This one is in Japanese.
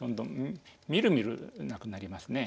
みるみるなくなりますね。